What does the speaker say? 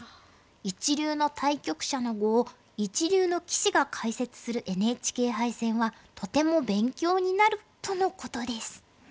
「一流の対局者の碁を一流の棋士が解説するＮＨＫ杯戦はとても勉強になる」とのことです。